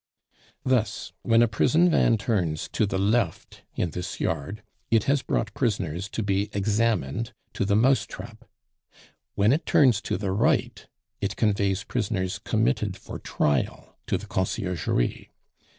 Thus, when a prison van turns to the left in this yard, it has brought prisoners to be examined to the "mousetrap"; when it turns to the right, it conveys prisoners committed for trial, to the Conciergerie.